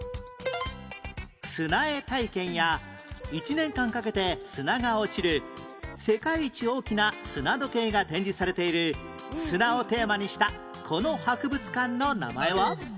砂絵体験や１年間かけて砂が落ちる世界一大きな砂時計が展示されている砂をテーマにしたこの博物館の名前は？